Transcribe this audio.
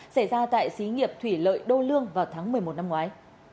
xảy ra tại xí nghiệp thủy lợi đô lương vào tháng một mươi một năm ngoái